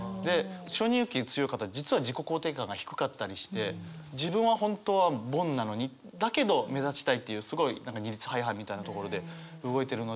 承認欲求強い方実は自己肯定感が低かったりして自分は本当は凡なのにだけど目立ちたいっていうすごい二律背反みたいなところで動いてるので。